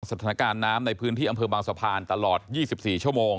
สถานการณ์น้ำในพื้นที่อำเภอบางสะพานตลอด๒๔ชั่วโมง